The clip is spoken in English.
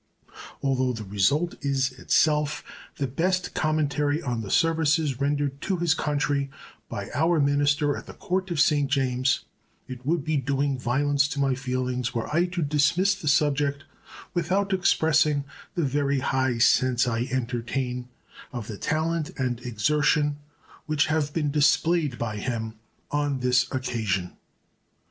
Although the result is itself the best commentary on the services rendered to his country by our minister at the Court of St. James, it would be doing violence to my feelings were I to dismiss the subject without expressing the very high sense I entertain of the talent and exertion which have been displayed by him on the occasion.